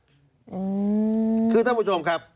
อืมคือท่านผู้ชมครับ